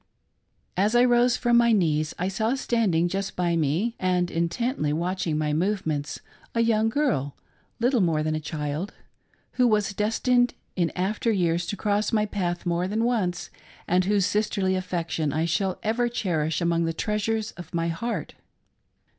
6 S4 MARY burton's STORY. As I rose from my knees, I saw standing just by me and intently watching my movements, a young girl — little more than a child — ^who was destined in after years to cross my path more than once, and jvhose sisterly aifection I shall ever cherish among the treasures of my heart.